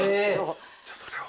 じゃあそれを。